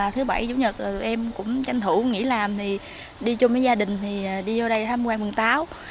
thứ bảy chủ nhật tụi em cũng tranh thủ nghỉ làm đi chung với gia đình thì đi vô đây tham quan vườn táo